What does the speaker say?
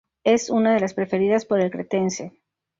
Es una de las preferidas por el cretense.